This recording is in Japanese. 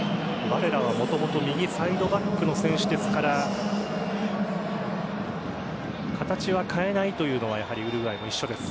ヴァレラはもともと右サイドバックの選手ですから形は変えないというのがウルグアイも一緒です。